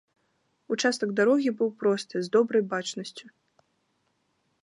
Участак дарогі быў просты, з добрай бачнасцю.